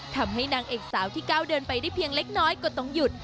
ทำให้นางเอกสาวที่ก้าวเดินไปได้เพียงเล็กน้อยก็ต้องหยุด